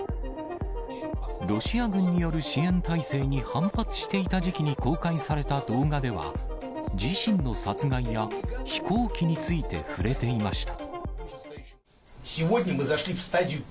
ロシア軍による支援体制に反発していた時期に公開された動画では、自身の殺害や飛行機について触れていました。